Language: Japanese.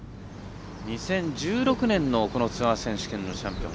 ２０１６年のツアー選手権のチャンピオン。